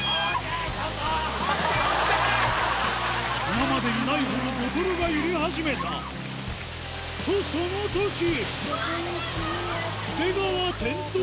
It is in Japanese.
今までにないほどボトルが揺れ始めたとそのとき出川転倒！